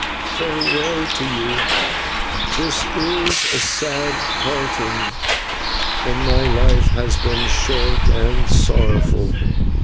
Farewell to you. This is a sad parting, and my life has been short and sorrowful.